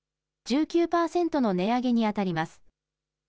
１９％の値上げにあたります。